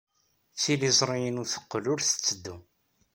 Tiliẓri-inu teqqel ur tetteddu.